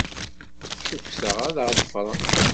Cukkteɣ ad aɣ-ḍefren.